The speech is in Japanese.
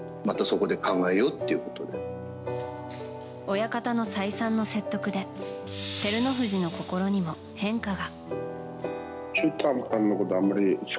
親方の再三の説得で照ノ富士の心にも変化が。